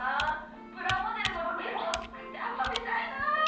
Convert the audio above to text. プラモデルのロケットを作ってあそびたいな。